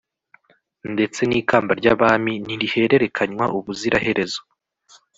ndetse n'ikamba ry'abami ntirihererekanywa ubuziraherezo